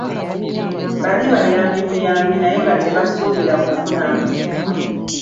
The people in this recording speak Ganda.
Bali bayambi buyambi naye nga tebasuubira kufunamu.